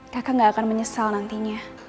kakak gak akan menyesal nantinya